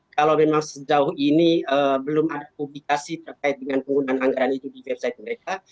kalau memang sejauh ini belum ada publikasi terkait dengan penggunaan anggaran itu di website mereka